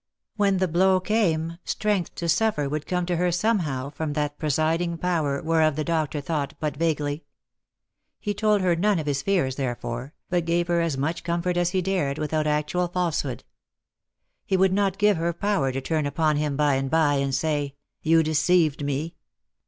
When the blow came, strength to suffer would come to her somehow from that presiding Power whereof the doctor thought but vaguely. He told her none of his fears therefore, but gave her as much com fort as he dared, without actual falsehood. He would not give her power to turn upon him by aind by and say, " You deceived me."